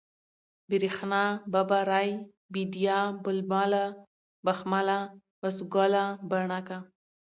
برېښنا ، ببرۍ ، بېديا ، بلبله ، بخمله ، بسوگله ، بڼکه